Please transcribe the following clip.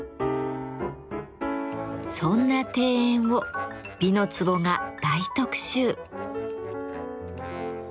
そんな庭園を「美の壺」が大特集！